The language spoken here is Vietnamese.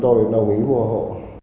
tôi đồng ý mua hộ